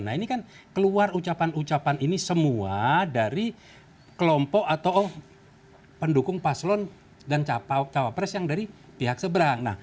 nah ini kan keluar ucapan ucapan ini semua dari kelompok atau pendukung paslon dan cawapres yang dari pihak seberang